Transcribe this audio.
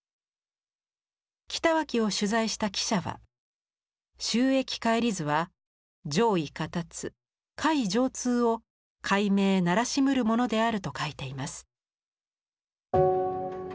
北脇を取材した記者は「周易解理図」は「上意下達下意上通を解明ならしむるものである」と書いています。